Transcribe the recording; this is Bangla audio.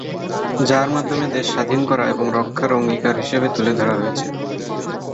যার মাধ্যমে দেশ স্বাধীন করা এবং রক্ষার অঙ্গীকার হিসেবে তুলে ধরা হয়েছে।